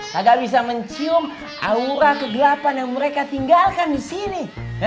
kagak bisa mencium aura kegelapan yang mereka tinggalkan disini